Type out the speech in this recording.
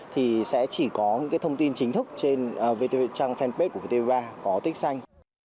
thì sẽ chỉ có những thông tin chính thức trên trang fanpage của t ba có tích xanh